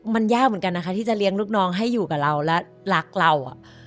มันยากเหมือนกันนะคะที่จะเลี้ยงลูกน้องให้อยู่กับเราและรักเรา